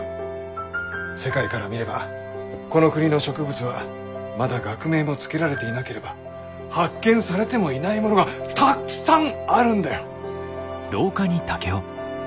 世界から見ればこの国の植物はまだ学名も付けられていなければ発見されてもいないものがたっくさんあるんだよ！